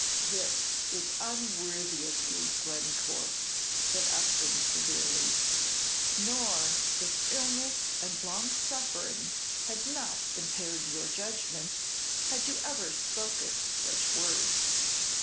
_" "This is unworthy of you, Glencore," said Upton, severely; "nor, if illness and long suffering had not impaired your judgment, had you ever spoken such words.